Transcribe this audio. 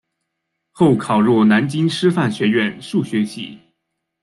后考入南京师范学院数学系。